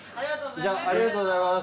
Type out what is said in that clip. ありがとうございます。